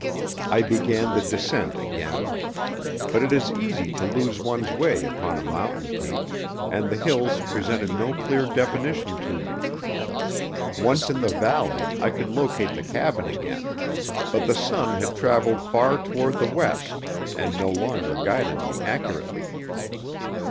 I began the descent again. But it is easy to lose one's way upon a mountain peak, and the hills presented no clear definition to me. Once in the valley I could locate the cabin again, but the sun had travelled far toward the west and no longer guided me accurately.